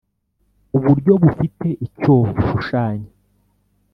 Uburyo bufite icyo bushushanya